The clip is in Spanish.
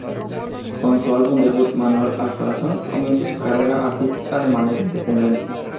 Con su álbum debut "Manual al corazón", comienza su carrera artística de manera independiente.